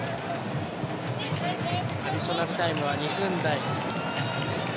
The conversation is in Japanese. アディショナルタイムは２分台。